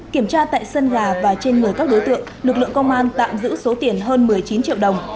kiểm tra tại sân nhà và trên người các đối tượng lực lượng công an tạm giữ số tiền hơn một mươi chín triệu đồng